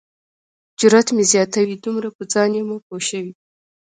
جرات مې زیاتوي دومره په ځان یمه پوه شوی.